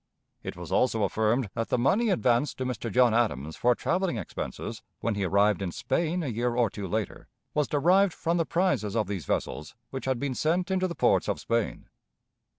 It was also affirmed that the money advanced to Mr. John Adams for traveling expenses, when he arrived in Spain a year or two later, was derived from the prizes of these vessels, which had been sent into the ports of Spain.